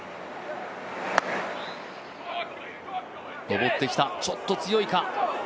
上ってきた、ちょっと強いか。